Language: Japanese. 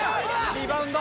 リバウンド！